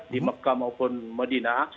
di mekah maupun medina